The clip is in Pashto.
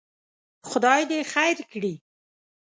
خدای دې خیر کړي.